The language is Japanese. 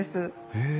へえ。